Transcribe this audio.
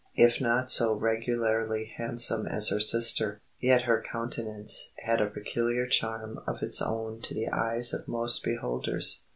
If not so regularly handsome as her sister, yet her countenance had a peculiar charm of its own to the eyes of most beholders.